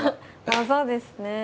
技ですね。